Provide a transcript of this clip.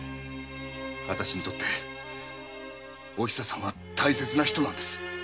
私にとっておひささんは大切な人なのです。